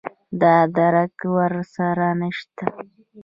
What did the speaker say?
دا درک ور سره نشته